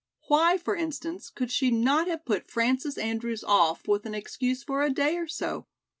Why, for instance, could she not have put Frances Andrews off with an excuse for a day or so?